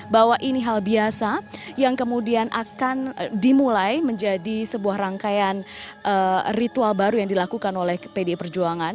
bahwa ini hal biasa yang kemudian akan dimulai menjadi sebuah rangkaian ritual baru yang dilakukan oleh pdi perjuangan